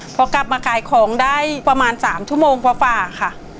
พอกลับมาขายของได้ประมาณ๓ชั่วโมงกว่าฝ่าค่ะ